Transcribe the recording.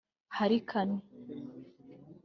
Harry Kane